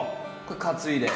これ担いで？